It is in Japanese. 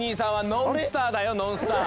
ノンスター！